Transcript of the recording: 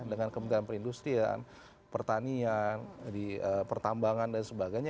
dengan kementerian perindustrian pertanian di pertambangan dan sebagainya